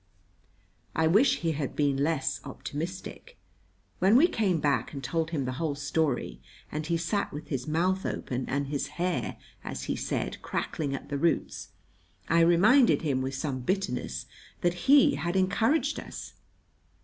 I wish he had been less optimistic. When we came back and told him the whole story, and he sat with his mouth open and his hair, as he said, crackling at the roots, I reminded him with some bitterness that he had encouraged us.